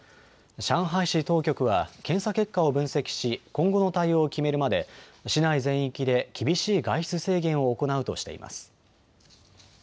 上海市当局は検査結果を分析し今後の対応を決めるまで市内全域で厳しい外出制限を行うとしています。